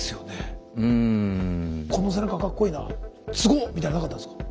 「この背中かっこいいな。継ごう」みたいなのなかったですか？